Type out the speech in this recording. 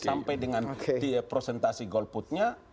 sampai dengan prosentasi golputnya